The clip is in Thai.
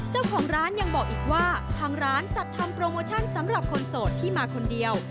เจ้าของร้านยังบอกอีกว่าทางร้านจัดทำโปรโมชั่นสำหรับคนโสดที่มาคนเดียว